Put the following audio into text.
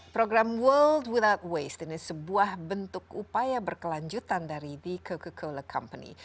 program world without waste ini sebuah bentuk upaya berkelanjutan dari the coca coca cola company